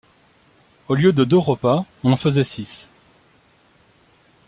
Au lieu de deux repas, on en faisait six.